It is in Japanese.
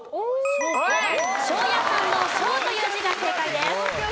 庄屋さんの「庄」という字が正解です。